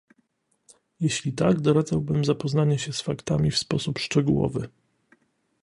Jeśli tak, doradzałabym zapoznanie się z faktami w sposób szczegółowy